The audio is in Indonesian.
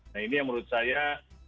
nah ini yang menurut saya